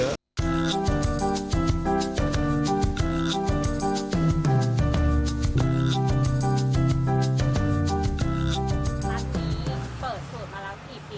ร้านนี้เปิดสูตรมาแล้วกี่ปี